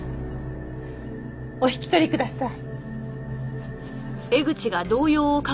お引き取りください。